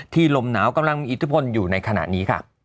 ลมหนาวกำลังมีอิทธิพลอยู่ในขณะนี้ค่ะ